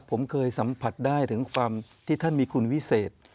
ผมเคยสัมผัสได้ถึงความที่ท่านมีคุณวิเศษ